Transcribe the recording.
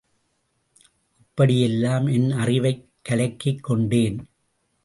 இப்படியெல்லாம் என் அறிவைக் கலக்கிக் கொண்டேன்.